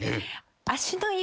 足の指。